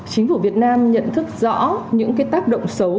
chính phủ việt nam nhận thức rõ những tác động xấu